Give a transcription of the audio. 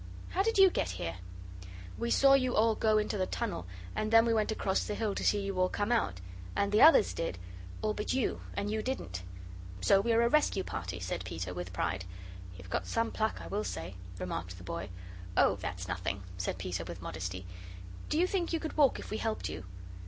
How did YOU get here?" "We saw you all go into the tunnel and then we went across the hill to see you all come out. And the others did all but you, and you didn't. So we are a rescue party," said Peter, with pride. "You've got some pluck, I will say," remarked the boy. "Oh, that's nothing," said Peter, with modesty. "Do you think you could walk if we helped you?"